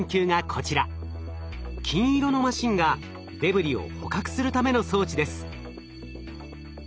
金色のマシンがデブリを捕獲するための装置です。